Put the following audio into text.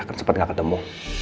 akan cepat nggak ketemu